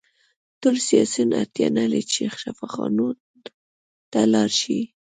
ټول سیاسیون اړتیا نلري چې شفاخانو ته لاړ شي